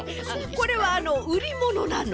これはあのうりものなの？